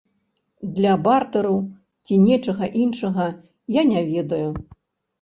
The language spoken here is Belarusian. Для бартэру ці нечага іншага, я не ведаю.